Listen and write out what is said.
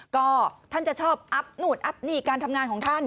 ก็ท่านจะชอบอัพนู่นอัพนี่การทำงานของท่าน